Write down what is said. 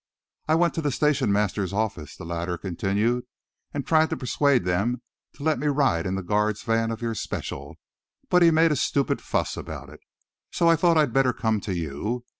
"I went to the station master's office," the latter continued, "and tried to persuade them to let me ride in the guard's van of your special, but he made a stupid fuss about it, so I thought I'd better come to you.